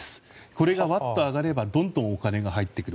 これがわっと上がればお金が入ってくる。